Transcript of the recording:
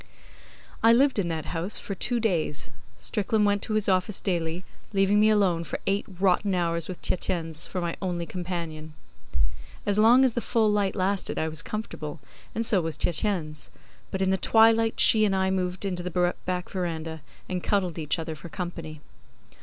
I lived in that house for two days. Strickland went to his office daily, leaving me alone for eight or ten hours with Tietjens for my only companion. As long as the full light lasted I was comfortable, and so was Tietjens; but in the twilight she and I moved into the back verandah and cuddled each other for company.